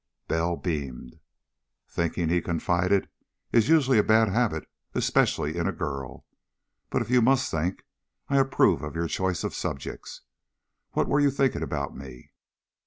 Bell beamed. "Thinking," he confided, "is usually a bad habit, especially in a girl. But if you must think, I approve of your choice of subjects. What were you thinking about me?"